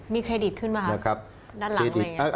เครดิตขึ้นไหมคะด้านหลังอะไรอย่างนี้